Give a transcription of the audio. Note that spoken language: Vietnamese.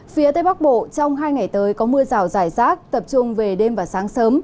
phía tây bắc bộ trong hai ngày tới có mưa rào rải rác tập trung về đêm và sáng sớm